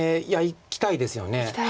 いきたいですよね。